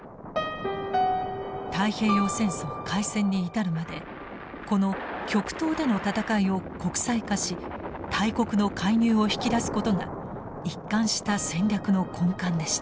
太平洋戦争開戦に至るまでこの極東での戦いを国際化し大国の介入を引き出すことが一貫した戦略の根幹でした。